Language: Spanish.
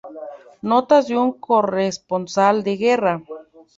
Notas de un corresponsal de guerra".